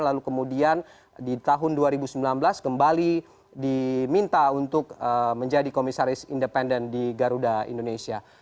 lalu kemudian di tahun dua ribu sembilan belas kembali diminta untuk menjadi komisaris independen di garuda indonesia